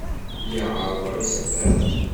Lliɣ ɛerrḍeɣ isafaren.